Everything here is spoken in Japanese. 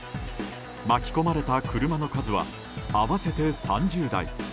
巻き込まれた車の数は合わせて３０台。